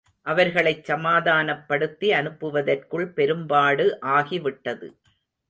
அவர்களைச் சமாதானப்படுத்தி அனுப்புவதற்குள் பெரும்பாடு ஆகிவிட்டது.